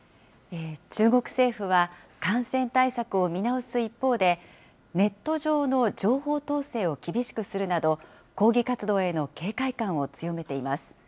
中国政府は、感染対策を見直す一方で、ネット上の情報統制を厳しくするなど、抗議活動への警戒感を強めています。